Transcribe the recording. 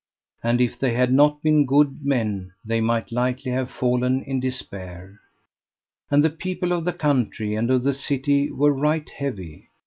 And if they had not been good men they might lightly have fallen in despair. And the people of the country and of the city were right heavy.